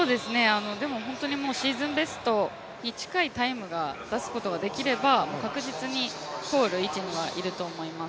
でも、本当にシーズンベストに近いタイムを出すことができれば確実に通る位置にはいると思います。